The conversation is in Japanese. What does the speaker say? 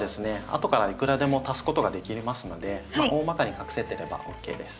後からいくらでも足すことができますので大まかに隠せてればＯＫです。